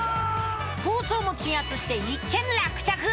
抗争も鎮圧して一件落着！